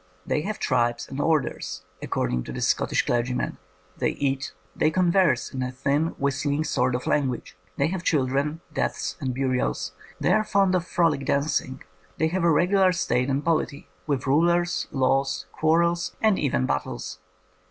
They have tribes and orders, according to this Scottish clergjrQian. They eat. They converse in a thin, whistling sort of lan guage. They have children, deaths, and burials. They are fond of frolic dancing. They have a regular state and polity, with rulers, laws, quarrels, and even battles.